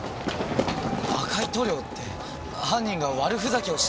赤い塗料って犯人が悪ふざけをしたって事ですか？